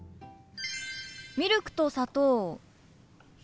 ミルクと砂糖いる？